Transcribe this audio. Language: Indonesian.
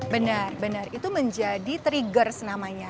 benar benar itu menjadi trigger senamanya